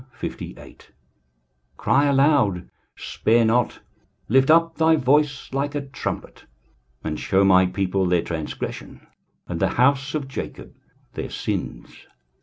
23:058:001 Cry aloud, spare not, lift up thy voice like a trumpet, and shew my people their transgression, and the house of Jacob their sins.